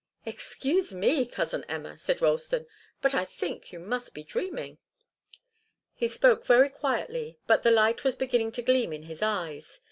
"Excuse me, cousin Emma," said Ralston, "but I think you must be dreaming." He spoke very quietly, but the light was beginning to gleam in his eyes.